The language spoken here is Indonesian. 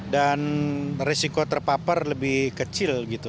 dan resiko terpapar lebih kecil gitu